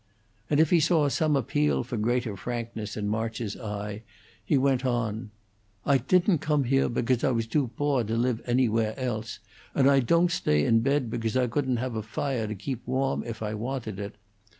As if he saw some appeal for greater frankness in March's eye, he went on: "I tidn't gome here begause I was too boor to lif anywhere else, and I ton't stay in pedt begause I couldn't haf a fire to geep warm if I wanted it.